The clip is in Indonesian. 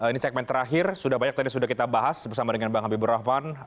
ini segmen terakhir sudah banyak tadi sudah kita bahas bersama dengan bang habibur rahman